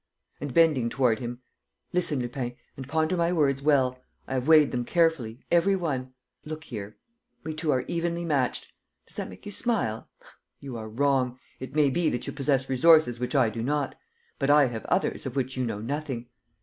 And, bending toward him, "Listen, Lupin, and ponder my words well; I have weighed them carefully, every one. Look here. ... We two are evenly matched. ... Does that make you smile? You are wrong: it may be that you possess resources which I do not; but I have others of which you know nothing.